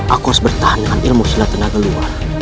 aku harus bertahan dengan ilmu silat tenaga luar